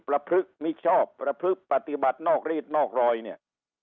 ประพฤกษ์มิชอบประพฤติปฏิบัตินอกรีดนอกรอยเนี่ย